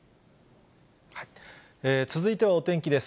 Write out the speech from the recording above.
続いてはお天気です。